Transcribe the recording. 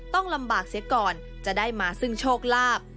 ต้องลำบากเสียก่อนจะได้มาซึ่งโชคลาภ